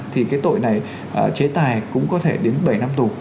thì cái tội này chế tài cũng có thể đến bảy năm tù